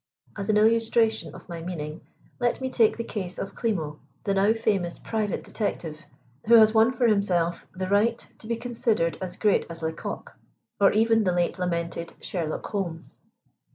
As an illustration of my meaning let me take the case of Klimo the now famous private detective, who has won for himself the right to be considered as great as Lecocq, or even the late lamented Sherlock Holmes.